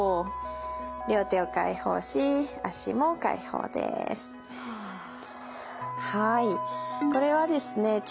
両手を解放し脚も解放です。